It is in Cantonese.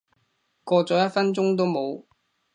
過咗一分鐘都冇